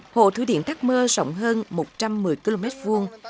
hồ thủy điện thác mơ rộng hơn một trăm một mươi km vuông